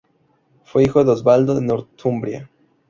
Fue hijo de Oswaldo de Northumbria.